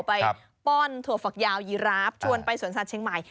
ป้อนถั่วฝักยาวยีราฟชวนไปสวนสัตว์เชียงใหม่